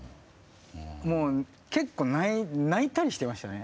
もう結構泣いたりしてましたね。